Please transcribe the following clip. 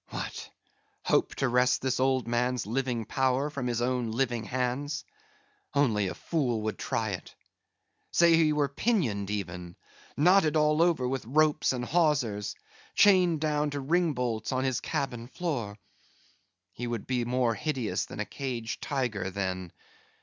What! hope to wrest this old man's living power from his own living hands? Only a fool would try it. Say he were pinioned even; knotted all over with ropes and hawsers; chained down to ring bolts on this cabin floor; he would be more hideous than a caged tiger, then.